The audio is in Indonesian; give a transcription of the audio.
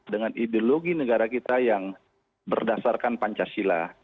dengan ideologi negara kita yang berdasarkan pancasila